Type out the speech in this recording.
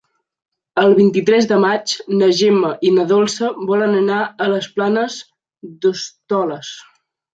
El vint-i-tres de maig na Gemma i na Dolça volen anar a les Planes d'Hostoles.